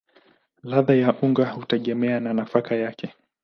Ladha ya unga hutegemea na nafaka yake.